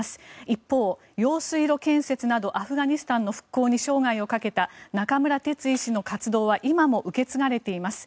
一方、用水路建設などアフガニスタンの復興に生涯をかけた中村哲医師の活動は今も受け継がれています。